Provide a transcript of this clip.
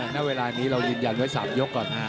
ณเวลานี้เรายืนยันไว้๓ยกก่อน